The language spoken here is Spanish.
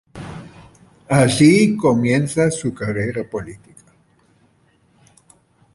Allí comienza su carrera política.